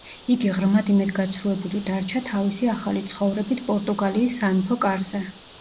იგი ღრმად იმედგაცრუებული დარჩა თავისი ახალი ცხოვრებით პორტუგალიის სამეფო კარზე.